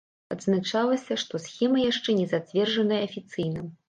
Адзначалася, што схема яшчэ не зацверджаная афіцыйна.